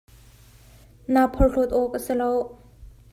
Naa porhlawt awk a si lo.